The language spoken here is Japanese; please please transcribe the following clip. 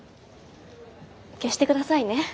消して下さいね。